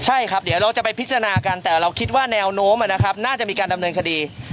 ใช่ครับเดี๋ยวเราจะไปพิจารณากันแต่เราคิดว่าแนวโน้มนะครับน่าจะมีการดำเนินคดี